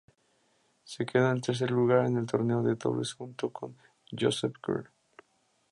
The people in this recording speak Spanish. Se quedó en tercer lugar en el torneo de dobles junto con Joseph Wear.